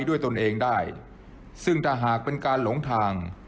ตนเองได้ซึ่งถ้าหากเป็นการหลงทาง